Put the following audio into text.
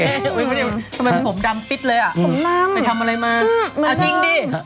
เอ้ยทำไมแบบผมดำปิดเลยอ่ะผมน่ำไปทำอะไรมาอื้อเอาทิ้งดิ